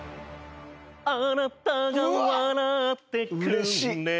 「あなたが笑ってくれる」